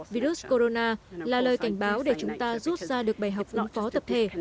virus corona là lời cảnh sát